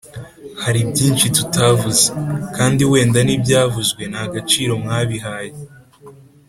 hari byinshi tutavuze. kandi wenda n'ibyavuzwe ntagaciro mwabihaye